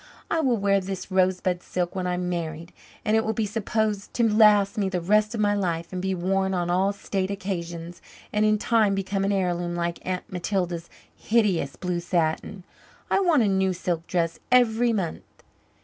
I will wear this rosebud silk when I'm married, and it will be supposed to last me the rest of my life and be worn on all state occasions, and in time become an heirloom like Aunt Matilda's hideous blue satin. I want a new silk dress every month."